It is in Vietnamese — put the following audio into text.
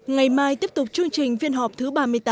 ngày mai tiếp tục chương trình phiên họp thứ ba mươi tám